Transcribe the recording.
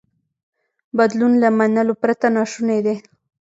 بدلون له منلو پرته ناشونی دی.